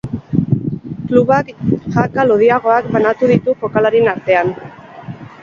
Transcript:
Klubak jaka lodiagoak banatu ditu jokalarien artean.